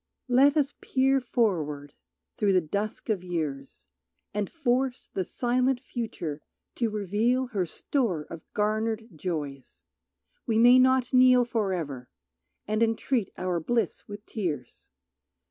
Let us peer forward through the dusk of years And force the silent future to reveal Her store of garnered joys; we may not kneel For ever, and entreat our bliss with tears.